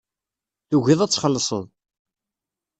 Tugiḍ ad txellṣeḍ.